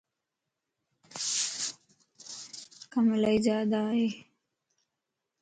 ڪم الائي زياده ائي.